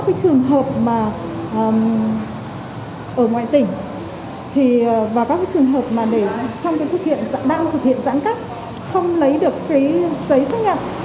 các trường hợp ở ngoại tỉnh và các trường hợp đang thực hiện giãn cắt không lấy được giấy xác nhận